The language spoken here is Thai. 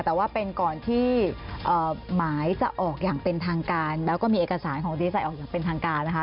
แต่ว่าเป็นก่อนที่หมายจะออกอย่างเป็นทางการแล้วก็มีเอกสารของดีไซนออกอย่างเป็นทางการนะคะ